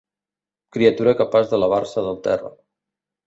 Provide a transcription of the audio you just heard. Criatura capaç d'elevar-se del terra.